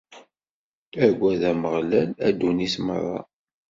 Aggad Ameɣlal, a ddunit merra!